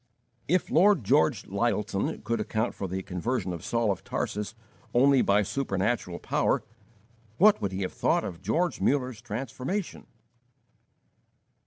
If Lord George Lyttelton could account for the conversion of Saul of Tarsus only by supernatural power, what would he have thought of George Muller's transformation!